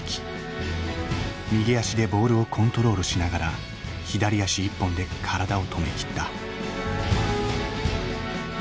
右足でボールをコントロールしながら左足１本で体を止めきった。